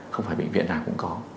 không phải bệnh viện nào cũng có